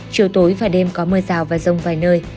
chiều tối và đêm có mưa rào và rông vài nơi